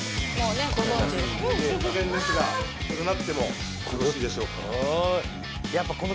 突然ですが占ってもよろしいでしょうか？